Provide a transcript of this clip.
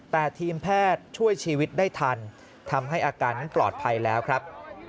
แต่ทีมแพทย์ช่วยชีวิตได้ทันทำให้อาการนั้นปลอดภัยแล้วครับ